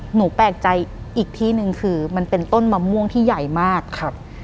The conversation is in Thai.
หนูแปลกใจอีกที่หนึ่งคือมันเป็นต้นมะม่วงที่ใหญ่มากครับ